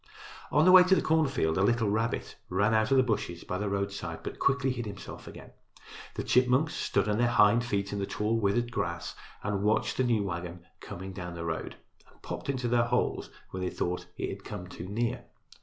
On the way to the cornfield a little rabbit ran out of the bushes by the roadside, but quickly hid himself again. The chipmunks stood on their hind feet in the tall, withered grass and watched the new wagon coming down the road and popped into their holes when they thought it had come too near.